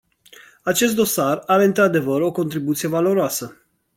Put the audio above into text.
Acest dosar are într-adevăr o contribuție valoroasă.